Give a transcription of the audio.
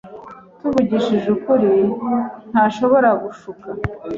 Tuvugishije ukuri, ntashobora gushuka